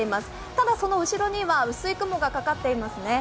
ただ、その後ろには薄い雲がかかっていますね。